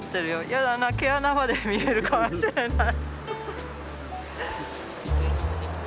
やだな毛穴まで見えるかもしれない。